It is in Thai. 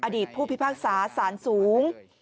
อดีตผู้พิพากษาสารสูง